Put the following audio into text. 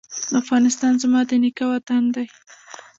افغانستان زما د نیکه وطن دی؟